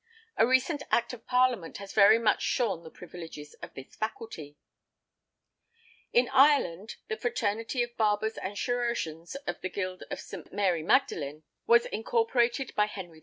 A recent Act of Parliament has very much shorn the privileges of this faculty . In Ireland, the "Fraternity of Barbers and Chirurgeons of the Guild of S. Mary Magdalene" was incorporated by Henry II.